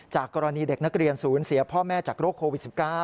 กรณีเด็กนักเรียนศูนย์เสียพ่อแม่จากโรคโควิด๑๙